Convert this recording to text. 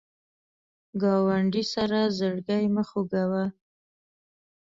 ګاونډي سره زړګی مه خوږوه